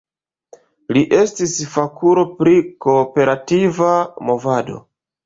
Li estis fakulo pri kooperativa movado.